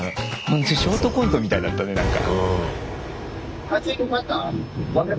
ショートコントみたいだったねなんか。